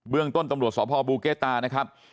เรื่องต้นตำรวจสพบูเกตานะครับ